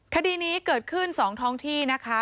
คดีนี้เกิดขึ้น๒ท้องที่นะคะ